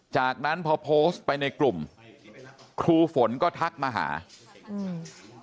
จากนั้นพอโพสต์ไปในกลุ่มครูฝนก็ทักมาหาอืม